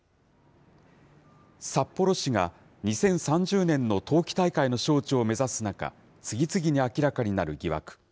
札幌市が２０３０年の冬季大会の招致を目指す中、次々に明らかになる疑惑。